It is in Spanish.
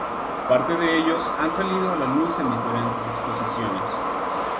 Parte de ellos han salido a la luz en diferentes exposiciones